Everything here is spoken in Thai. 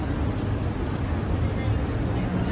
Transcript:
คุณอยู่ในโรงพยาบาลนะ